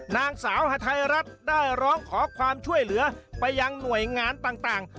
นางสาวฮาไทยรัฐได้ร้องขอความช่วยเหลือไปยังหน่วยงานต่าง